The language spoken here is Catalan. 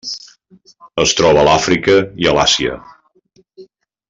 Es troba a l'Àfrica i a l'Àsia.